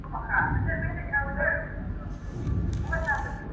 جانان ته تر منزله رسېدل خو تکل غواړي!!